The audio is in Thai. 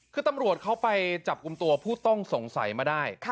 คือตำรวจเขาไปจับกลุ่มตัวผู้ต้องสงสัยมาได้